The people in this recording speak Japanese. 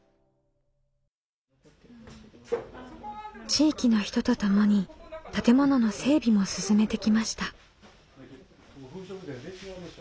地域の人とともに建物の整備も進めてきました。